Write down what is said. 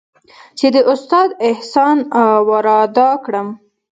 چې د استاد احسان ورادا کړم.